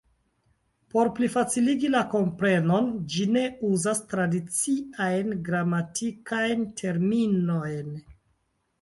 Por plifaciligi la komprenon, ĝi ne uzas tradiciajn gramatikajn terminojn.